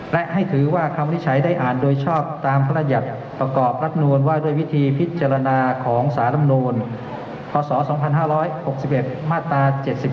และให้ถือว่าคำวิจัยได้อ่านโดยชอบตามพระราชยัติประกอบรัฐนูลว่าด้วยวิธีพิจารณาของสารำนูลพศ๒๕๖๑มาตรา๗๔